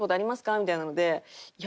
みたいなのでいや